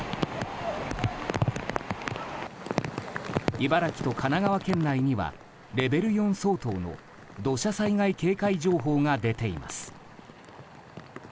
茨城と神奈川県内にはレベル４相当の土砂災害警戒情報が出ています。